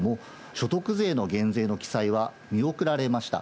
所得税の減税の記載は見送られました。